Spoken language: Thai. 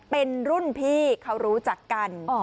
เป็นรุ่นพี่เขารู้จักกัน